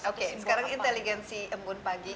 oke sekarang inteligenci mbun pagi